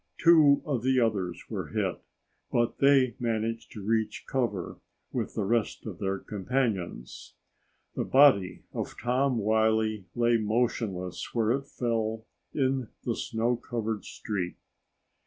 Two of the others were hit, but they managed to reach cover with the rest of their companions. The body of Tom Wiley lay motionless where it fell in the snow covered street.